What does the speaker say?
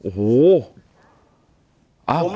โอ้โห